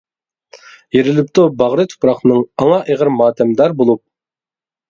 يېرىلىپتۇ باغرى تۇپراقنىڭ، ئاڭا ئېغىر ماتەمدار بولۇپ.